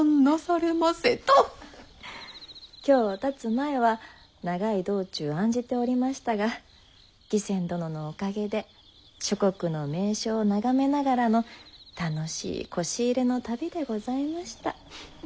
京をたつ前は長い道中案じておりましたが義仙殿のおかげで諸国の名所を眺めながらの楽しい輿入れの旅でございました。